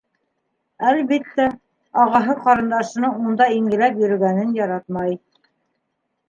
Әлбиттә, ағаһы ҡарындашының унда ингеләп йөрөгәнен яратмай.